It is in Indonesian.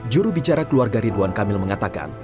jurubicara keluarga ridwan kamil mengatakan